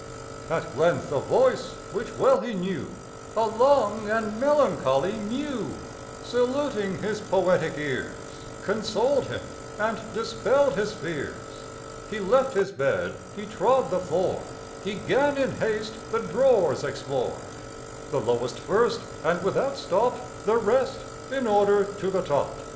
At length a voice which well he knew, A long and melancholy mew, Saluting his poetic ears, Consoled him and dispell'd his fears: He left his bed, he trod the floor, He 'gan in haste the drawers explore, The lowest first, and without stop The rest in order to the top.